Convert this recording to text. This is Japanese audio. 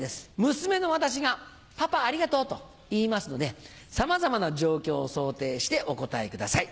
娘の私が「パパありがとう」と言いますのでさまざまな状況を想定してお答えください。